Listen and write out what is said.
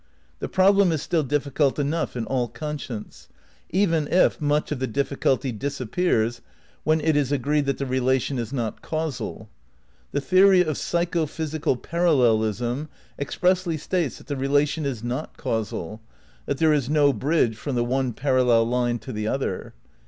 The problem is still difficult enough in all conscience, even if much of the difficulty disappears when it is agreed that the relation is not causal. The theory of psycho physical parallelism expressly states that the relation is not causal, that there is no bridge from one parallel line to the other.